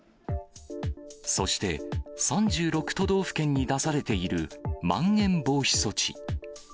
そして、３６都道府県に出されているまん延防止措置。